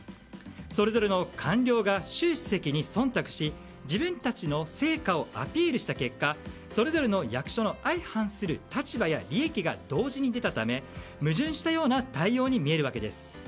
それぞれの官僚が習主席に忖度し自分たちの成果をアピールした結果それぞれの役所の相反する立場や利益が同時に出たため矛盾したような対応に見えるわけです。